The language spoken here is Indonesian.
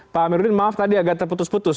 pak amiruddin maaf tadi agak terputus putus